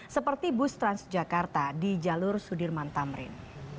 seperti bus transjakarta di jalur sudirman tamrin